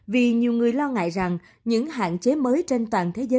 vì nhiều người lo ngại rằng những hạn chế mới trên toàn thế giới